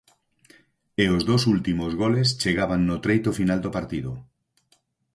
E os dous últimos goles chegaban no treito final do partido.